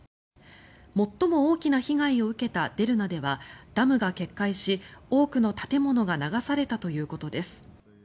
最も大きな被害を受けたデルナではダムが決壊し、多くの建物が流されたということです。